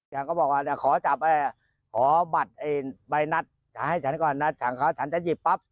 แกก็บอกว่าขอบัตรใบนัดให้ฉันก่อนนะฉันจะหยิบปั๊บ